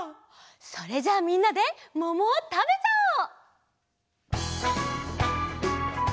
それじゃあみんなでももをたべちゃおう！